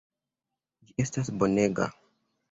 Ĝi estas bonega.